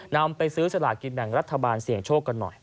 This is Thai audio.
นำไปซื้อสลากินแบ่งรัฐบาลเสี่ยงโชคกันหน่อย